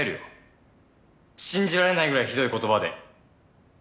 信じられないぐらいひどい言葉で。